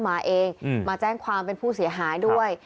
มาเองมาแจ้งความเป็นผู้เสียหายด้วย